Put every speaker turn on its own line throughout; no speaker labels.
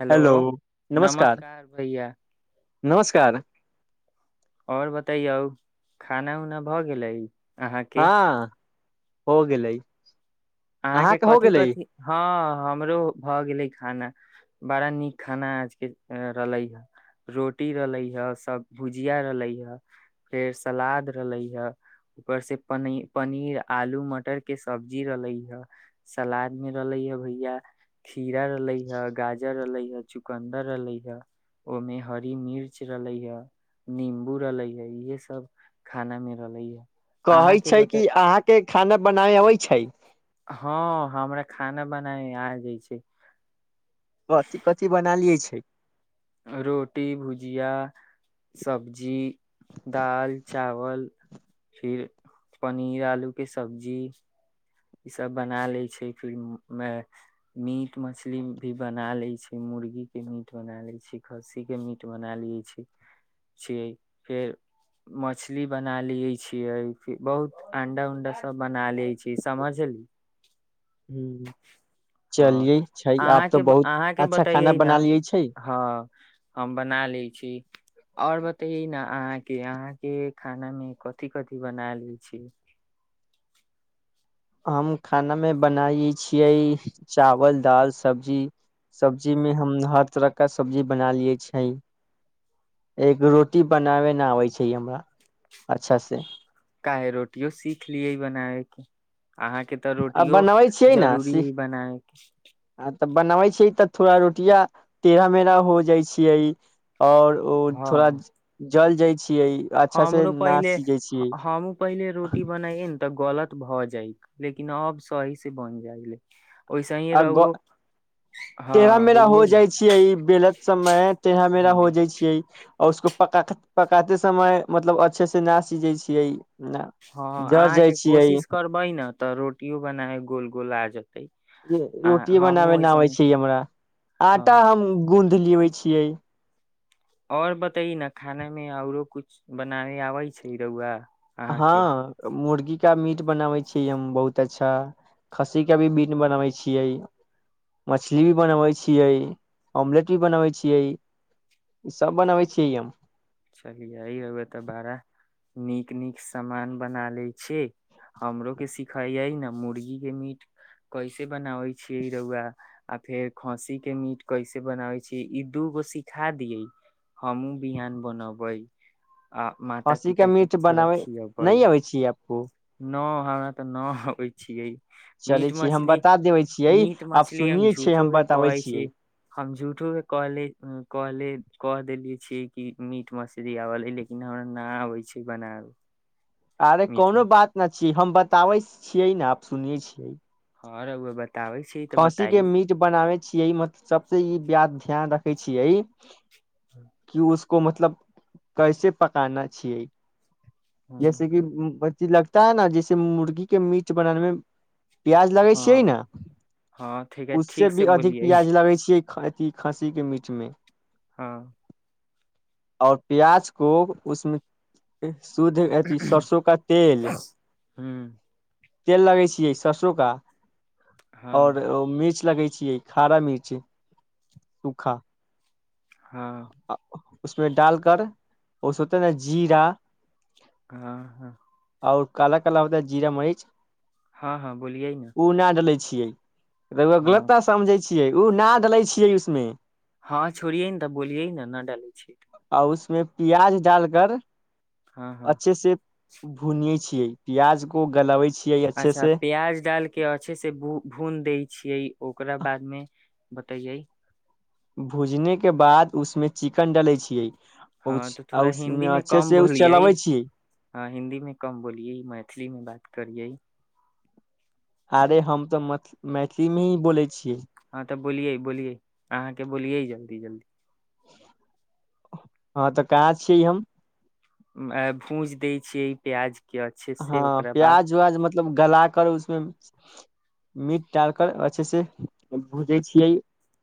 Hello नमस्कार भैया
नमस्कार
आओर बतैयौ खाना उना भऽ गेलै अहाँके
हँ हो गेलै
अहाँके
हो
कथिी
गेलै
कथिी हँ हमरो भऽ गेलै खाना बड़ा नीक खाना आज के रहले हा रोटी रहलै हे सब भुजिया रहले हे फेर सलाद रहले हे ऊपर से पनी पनीर आलू मटर के सब्जी रहले ह सलाद मे रहले ह भैया खीरा रहलै हे गाजर रहलै हे चुकन्दर रहलै हे ओहिमे हरी मिर्च रहले हे निम्बू रहले हे इहे सब खाना म रहलै है
कहै छै कि अहाँके खाना बनाय अबै छै
हँ हमरा खाना बनाय आ जाय छै
कथिी कथिी बना लिये छै
रोटी भुजिया सब्जी दाल चावल फिर पनीर आलू के सब्जी ई सब बना ले छै फिर मे मीट मछली भी बना ले छै मुर्गी के मीट बना ले छै खस्सी के मीट बना लिये छै छी छियै फेर मछली बना लिय छि फैर बहुत अंडा उंडा सब बना ले छी समझलि
हम्म,
हँ
चलियै छै आब तऽ
अहाँके
बहुत
अहाँके
अच्छा खाना
बतइयै ने
बना लियै छै
हँ हम बना लै छी और बतये न अहाँ के अहा के खाना मे कथिी कथिी बना ले छी
हम खाना मे बनाय छियै चावल दाल सब्जी सब्जी मे हम हर तरह कऽ सब्जी बना लिये छै एक रोटी बनाबे नऽ आबै छै हमरा अच्छा सँ
काहे रोटियो सीख लिये बनाबे केँ अहाँकेँ तऽ
आ
रोटियो
बनाबै
जरूरी हई बनाय केँ
आ तऽ बनाबै छियै तऽ थोड़ा रोटिया तेढा मेढ़ा होई जाइ छियै आओर उ थोड़ा जल जाय छियै अच्छा से
हमर
ना
पहिले
सीझै छियै
हमु पहिले रोटी बनाये नऽ तऽ गलत भऽ जाइक लेकिन अब सही से बन जाय ले [unintelligible]
टेढा
हँ
मेरा हो
बोलियै ने।
जाइ छियै बेलत समय टेढ़ा मेरा
हँ
हो जाइ छियै आओर उसको पका - पकाते समय मतलब अच्छे से ना सीझै छियै ना जर जाइ छियै
बै नऽ तऽ रोटियो बनाए गोल गोल आ जेतै आ
रोटी बनाबे
हमहूँ
नऽ
ओइसे
आबे
ही
छै हमरा आटा
हँ
हम गुन्ध लेेबै छियै
आओर बताई नऽ खाना मे आउरो कुछ बनाबे आबै छै रउआ अहाँके
हँ मुर्गी का मीट बनाबै छीयै हम बहुत अच्छा खस्सी का भी मिट बनबै छियै मछली भी बनबै छियै ऑमलेट भी बनाबै छियै ई सब बनबै छियै हम
चलिये रउआ तऽ बड़ा नीक नीक सामान बना लेऽ छी हमरो केँ सिखैये नऽ मुर्गी केँ मीट कैसे बनाबै छियै रौआ आ फेर खसी केँ मीट कैसे बनाबै छिये ई दू गो सिखा दियै हमहूँ बिहान बनबै आ माता पिता केँ थोड़ा खियबै
[unintelligible] छी आपको
नऽ हमरा तऽ नऽ अबै छियै
चलै
मीट
छी हम
मछली
बता देबै छियै
मीट
आप
मछली हम
सुनिये छियै
झूठो केँ
बताबै
कहै छै
छियै
हम झुठो केँ कहली - कहली कह देले छीयै की मीट मछली अबऽ ली लेकिन हमरा नऽ आबे छै बनाबे
अरे
मीट
कोनो बात नऽ छीयै हम बताबै छियै नऽ आप सुनिये छियै
हँ रउआ बताबै छी तऽ
खाँसी केँ
बताइए
मीट बनाबे छियै मत सबसे ई बात ध्यान रखे छियै
[inaudible]
कि उसको मतलब कैसे पकाना छियै
हँ
जैसे की [unintelligible] जैसे मुर्गी केँ मिट बनाने मे प्याज लगै छियै
हँ
नऽ
हँ ठीक है,
उससे
ठीक
भी
से
अधिक
बोलियै
प्याज लगै छियै अथि खस्सी केँ मीट मे
हँ
आओर प्याज को उसमे शुद्ध अभि सरसो का तेल
ह
तेल लगे छियै सरसो का आओर
हँ
मिर्च लगे छियै खारा मिर्च सूखा
हँ
उसमे डालकर ओस होतेै नऽ जीरा
हँ हँ
आओर काला -काला होता है जीरा मरीच
हँ हँ बोलियएै ने
ओ न डले छियै
हँ
गलत्ता समझै छियै ओ न डले छियै उसमे
हँ छोड़िये ने तऽ बोलिये ने न डाले छै
आ उसमे प्याज डालकर
हँ हँ
अच्छे से भुनिये छीियै प्याज को गलबे छीिय
अच्छा प्याज डाल के अच्छे से भून दै छियै ओकरा बादमे बतैयै
भुजने के बाद उसमे चिकन डालै छियै ओ
हँ तऽ
आ
थोड़ा हिन्दी
उसमे
मे
अच्छे
कम
से उ
बोलियै
चलबै छी
हँ हिन्दी में कम बोलिये मैथिली मे बात करिये
अरे हम तऽ मैथिलीमे ही बोलै छियै
हँ तऽ बोलिये बोलिये अहाँके बोलियै जल्दी जल्दी
हँ तऽ कहाँ छियै हम
अ भूज दै छियै ई प्याज के अच्छे
हँ
से ओकरा बाद
प्याज व्यज मतलब गला कर उसमे मीट डाल कर अच्छे से भूजै छियै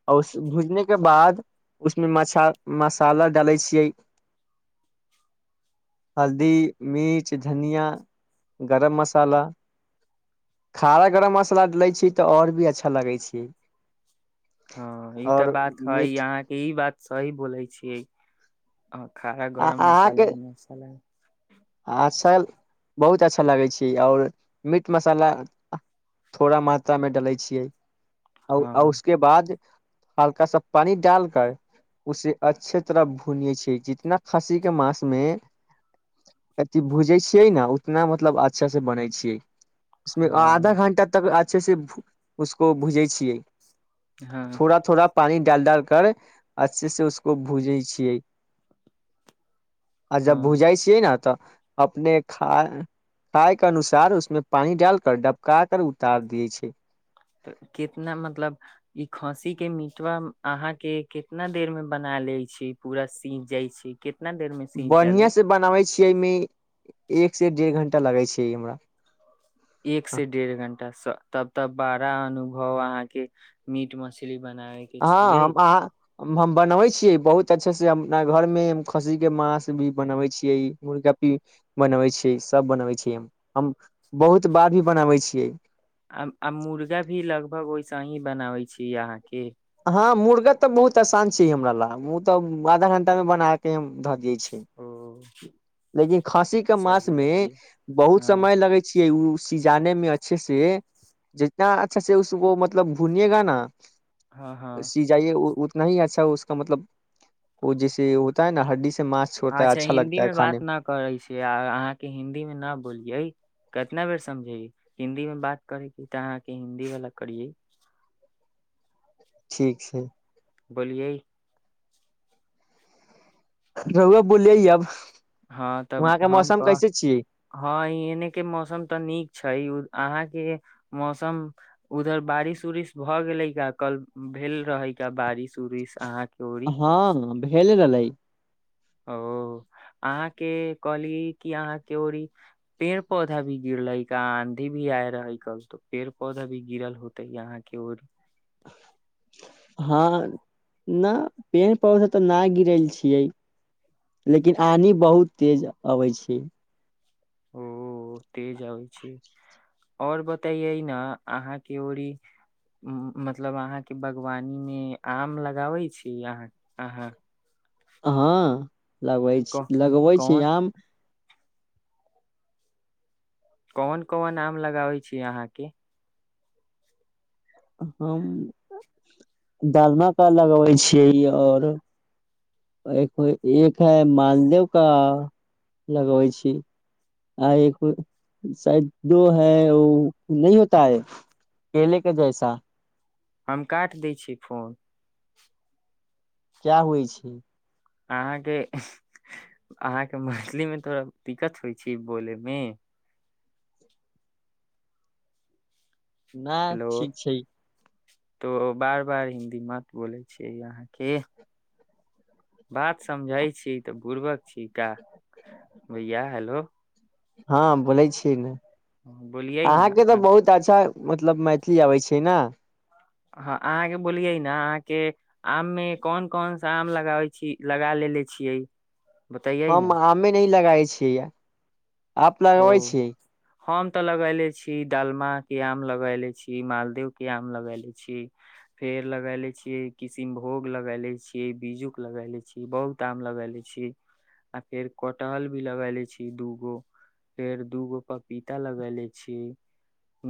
आ उ भूजने के बाद उसमे मछा मसाला डाले छियै हल्दी मिीर्च धनिया गरम मसाला खाना गरम मसाला लै छी तऽ आओर भी अच्छा लगै छै
हँ ई तऽ
आओर
बात है
मीठ
यहााँ ई बात सही बोलै छियै खाना
आ
गरम मसाला में अच्छा लग
अच्छा बहुत अच्छा लगै छै आओर मीट मसाला थोड़ा मात्रामे डलै छियै आ
हँ
उसके बाद हल्का सा पानी डाल कर उसे अच्छे तरह भुनिये छै जितना खसी के मास में अथ भूजै छियै ने उतना मतलब अच्छा से बनै छियै उसमे आधा
हँ
घंटा त अच्छे से उसको भुजै छियै
हँ
थोड़ा थोड़ा पानी डाल डाल कर अच्छे से उसको भूजै छियै आ जब
हँ
भुजाइ छियै ने तऽ अपने खा पाय के अनुसार उसमे पानी डाल कर डबका कर उतार दिय छै
तऽ कितना मतलब ई खाँसी के मिटवा अहा के कितना देर में बना ले छी पूरा सीख जाइ छै कितना देर मे
बढ़िया से बनाबे छीियै एहिमे एक से डेढ़ घंटा लगे छै हमरा
एक से डेढ़ घंटा तब तब बड़ा अनुभव अहाँके मीट मछली बनाए
हँ हम अहां हम बनबै छियै बहुत अच्छे से अपना घर मे खस्सी के माछ भी बनबै छियै मुर्गा पी बनबै छीियै सब बनाबै छीिय हम बहुत बार भी बनाबै छियै
आ आ मुर्गा भी लगभग ओहिसे ही बनाबै छी अहाँ के
हँ मुर्गा तऽ बहुत आसान छै हमरा ल ओ तऽ आधा घंटा मे बना के हम धऽ दिये छै
ओ
लेकिन खासी के मास
चलियै
मे
आइए
बहुत
हँ
समय लगै छिये ओ सिजाने मे अच्छे से जितना अच्छा से उसको मतलब भुनएगा न
हँ हँ
सी जाइए उतना ही अच्छा उसका मतलब ओ जैसे ओ [inaudible]
अच्छा हिन्दी मे बात न करै छै आ अहाँकेँ हिन्दी मे नऽ बोलियै केतना बेर समझेयै हिन्दी मे बात करेके तऽ अहाँकेँ हिन्दी वाला करिये
ठिक छै
बलियै
रउआ बोलियै अब
हँ
वहा
तब
केँ
हम
मौसम
कह
कैसे छियै
हँ एने केँ मौसम तऽ नीक छै अहाँकेँ मौसम उधर बारिश उरिश भऽ गेले का कल भेल रहे का बारिश उरिश अहाँके ओरी
हँ भेले रहलै
ओ अहाँकेँ कहली की अहाँकेँ ओरी पेड़ पौधा भि गिरलै का आंधी भी आयल रहै कल तो पेड़ पौधा भी गिरल हो तैय आहाँकेँ ओरी
[inaudible] हँ ना पेड़ पौधा तऽ ना गिरल छियै लेकिन आधी बहुत तेज अबै छिये
ओ तेज आबै छै आओर बताइये नऽ अहाँकेँ ओड़ी मतलब अहाँकेँ बागवानी मे आम लगाबै छी अहाँ - अहाँ
हँ लगबै छी लगबै छी
कोन
आम
कोवन कोवन आम लगाबै छी अहाँकेँ
हम [unintelligible] का लगबै छियै आओर एक है एक हैय मालदव का लगबै छी [inaudible] [inaudible]
हम काट दै छिये फोन
क्या होइ छै
अहाँकेँ अहाँकेँ मैथिली मे थोड़ा दिक्कत होइ छै बोले मे
ना
हेलो
ठीक छै
तो बार बार हिन्दी मत बोलै छियै अहाँकेँ बात समझै छिये तऽ बुुरबक छी का भैया हेलो
हँ बोलै छिये नऽ
बोलियै ने
अहाँकेँ तऽ
हँ
बहुत अच्छा मतलब मैथिली आबै छै नऽ
हँ अहाँकेँ बोलियै नऽ अहाँकेँ आम मे कोन कोन सा आम लगाबे छी लगा लेले छियै बतैयै
हम
ने
आमे नै लगाबे छियै आप
ओ
लगबै छियै
हम तऽ लगैले छी डालम केँ आम लगैले छी मालदेव केँ आम लगैले छी फेड़ लगैले छियै किसनभोग लगैले छियै बीजू कऽ लगैले छियै बहुत क्ताम लगैले छी आ फेर कटहल भी लगैले छी दू गो फेर दू गो पपीता लगैले छी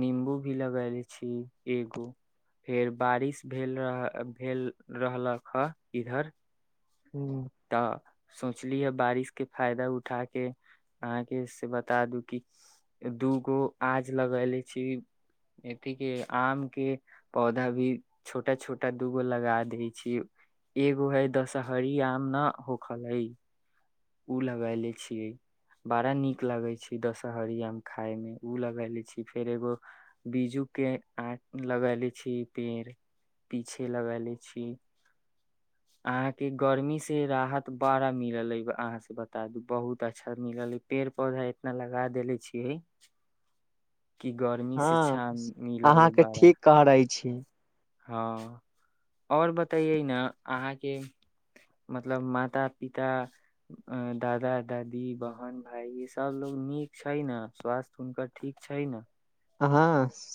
नीबू भि लगैले छी एगो फेर बारिश भेल रह भेल रहलक ह इधर
हुँ
तऽ सोचली हँ बारिश केँ फायदा उठा केँ अहाँकेँ से ब ता दू कि दू गो आज लगैले छी एथ कि आमके पौधा भी छोटा छोटा दूगो लगा दै छी एगो है दशहरी आम न होखलै ओ लगैले छियै बड़ा नीक लगै छै दशहरियामे खाायमे ओ लगगैले छी फेर एगो बीजू के आ लगले छी पेड़ पीछे लगा ले छी अहां के गर्मी से राहत बड़ा मिलल अ ऐबा अहाँ से बता दू बहुत अच्छा मिलल है पेड़ पौधा इतना लगा देेले छीिये
[inaudible]
क गरम
हँ अहाँके ठीक कह रहे छी
हँ आओर बतइयै ने अहाँके मतलब माता पिता दादा दादी बहन भायजी सब लोग नीक छै ने स्वास्थ हुनकर ठीक छै ने
हह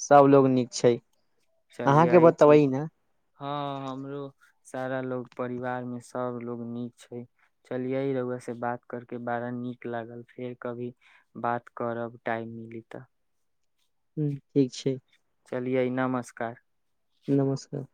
सब लोग नीक छै अहाँके
चलियै
बतेबै
ठीक
न
हँ हमरो सारा लोग परिवार मे सब लोग नीक छै चलियै रहुए से बात करिक बारा नीक लागल फेर कभी बात करब टाइम मिली तऽ
ह ठीक छै
चलियै नमस्कार
नमस्कार